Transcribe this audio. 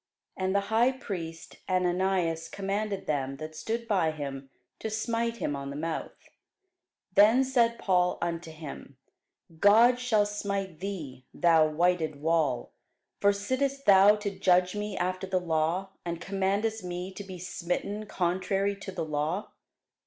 And the high priest Ananias commanded them that stood by him to smite him on the mouth. Then said Paul unto him, God shall smite thee, thou whited wall: for sittest thou to judge me after the law, and commandest me to be smitten contrary to the law?